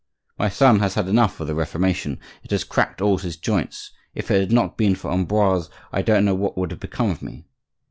—"My son has had enough of the Reformation; it has cracked all his joints. If it had not been for Ambroise, I don't know what would have become of me."